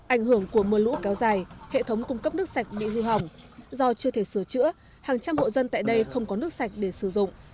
ảnh hưởng của mưa lũ kéo dài hệ thống cung cấp nước sạch bị hư hỏng do chưa thể sửa chữa hàng trăm hộ dân tại đây không có nước sạch để sử dụng